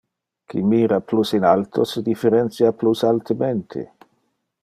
Qui mira plus in alto se differentia plus altemente.